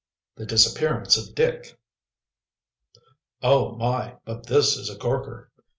THE DISAPPEARANCE OF DICK. "Oh, my, but this is a corker!"